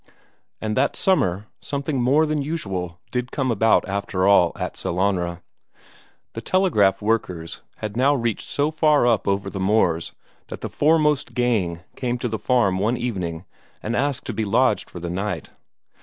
And that summer, something more than usual did come about after all at Sellanraa. The telegraph workers had now reached so far up over the moors that the foremost gang came to the farm one evening and asked to be lodged for the night.